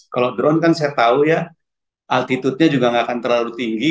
kalau drone kan saya tahu ya altitude nya juga nggak akan terlalu tinggi